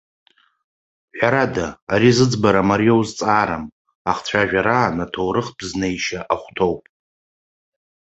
Ҳәарада, ари зыӡбара мариоу зҵаарам, ахцәажәараан аҭоурыхтә знеишьа ахәҭоуп.